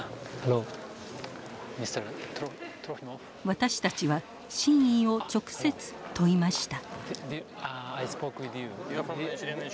私たちは真意を直接問いました。